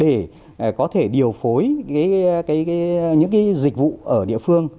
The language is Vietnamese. để có thể điều phối những dịch vụ ở địa phương